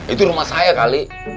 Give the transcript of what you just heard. itu rumah saya kali